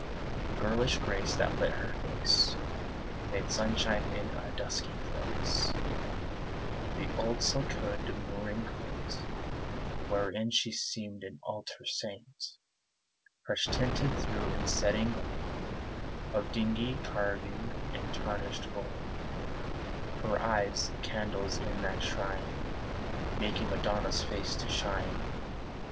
The girlish grace that lit her face Made sunshine in a dusky place The old silk hood, demure and quaint, Wherein she seemed an altar saint Fresh tinted, though in setting old Of dingy carving and tarnished gold; Her eyes, the candles in that shrine, Making Madonna's face to shine.